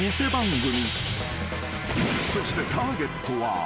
［そしてターゲットは］